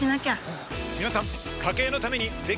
皆さん。